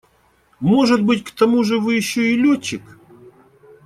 Может быть, к тому же вы еще и летчик?